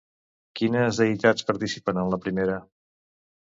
Quines deïtats participen en la primera?